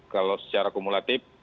kalau secara kumulatif